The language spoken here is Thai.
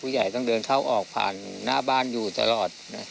ใหญ่ต้องเดินเข้าออกผ่านหน้าบ้านอยู่ตลอด